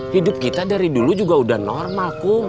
hidup kita dari dulu juga udah normal kok